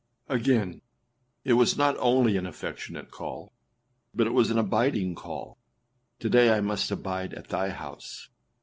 â 6. Again, it was not only an affectionate call, but it was an abiding call. âTo day I must abide at thy house.